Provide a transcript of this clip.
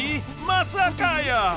まさかやー！